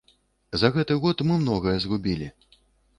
За гэты год мы многае згубілі.